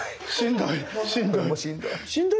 しんどい！